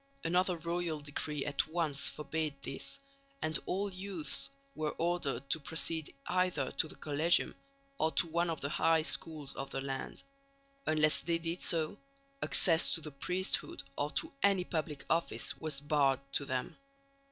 Another royal decree at once forbade this, and all youths were ordered to proceed either to the Collegium or to one of the High Schools of the land; unless they did so, access to the priesthood or to any public office was barred to them.